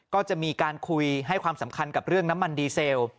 ก็จะมีการคุยให้ความสำคัญกับเรื่องน้ำมันดีเซล